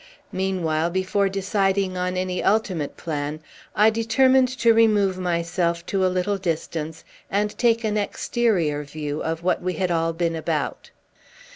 Meanwhile, before deciding on any ultimate plan, I determined to remove myself to a little distance, and take an exterior view of what we had all been about.